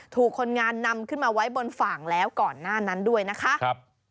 ถูกคนงานนำขึ้นมาไว้บนฝั่งแล้วก่อนหน้านั้นด้วยนะคะ